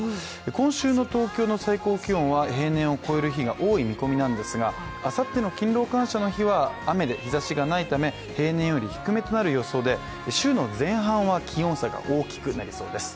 今週の東京の最高気温は平年を超える日が多い見込みなんですがあさっての勤労感謝の日は雨で、日ざしがないため平年より低めとなる予想で週の前半は気温差が大きくなりそうです。